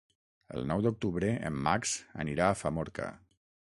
El nou d'octubre en Max anirà a Famorca.